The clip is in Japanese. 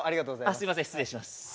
すいません失礼します。